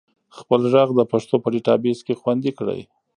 خپل ږغ د پښتو په ډیټابیس کې خوندي کړئ.